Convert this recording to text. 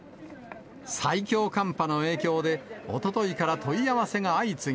最強寒波の影響で、おとといから問い合わせが相次ぎ。